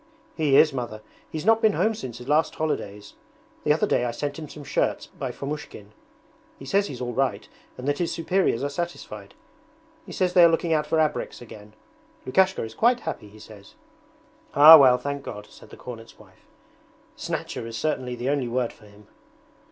'He is. Mother. He's not been home since last holidays. The other day I sent him some shirts by Fomushkin. He says he's all right, and that his superiors are satisfied. He says they are looking out for abreks again. Lukashka is quite happy, he says.' 'Ah well, thank God,' said the cornet's wife.' "Snatcher" is certainly the only word for him.'